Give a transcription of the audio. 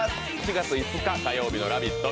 ７月５日火曜日の「ラヴィット！」